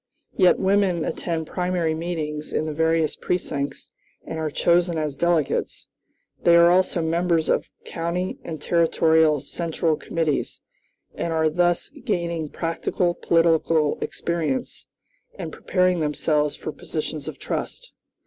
Yet women attend primary meetings in the various precincts and are chosen as delegates. They are also members of county and territorial central committees, and are thus gaining practical political experience, and preparing themselves for positions of trust.